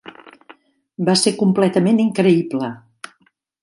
Va ser completament increïble.